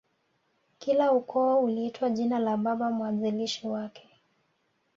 Kila ukoo uliitwa jina la Baba mwanzilishi wake